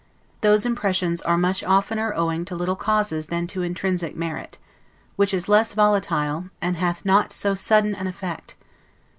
Those impressions are much oftener owing to little causes than to intrinsic merit; which is less volatile, and hath not so sudden an effect.